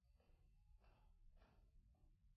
Los judíos debían evacuar la zona y entregar sus bienes.